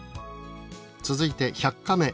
続いて１００カメ